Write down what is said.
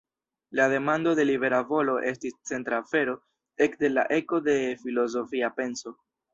La demando de libera volo estis centra afero ekde la eko de filozofia penso.